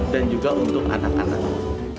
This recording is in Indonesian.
dan juga untuk anak anak